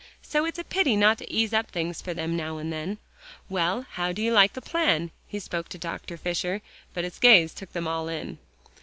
So it's a pity not to ease up things for them now and then. Well, how do you like the plan?" He spoke to Dr. Fisher, but his gaze took them all in.